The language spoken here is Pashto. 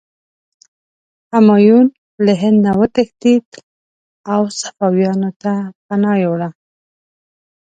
همایون له هند نه وتښتېد او صفویانو ته پناه یووړه.